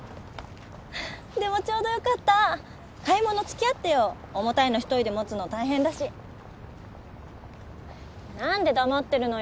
でもちょうどよかった買い物付き合ってよ重たいの一人で持つの大変だし何で黙ってるのよ